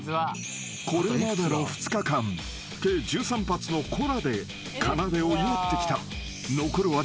［これまでの２日間計１３発のコラでかなでを祝ってきた］